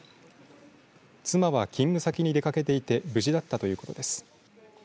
妻は勤務先に出かけていて無事だったということです。